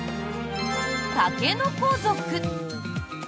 竹の子族！